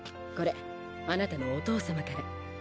これあなたのお父様から。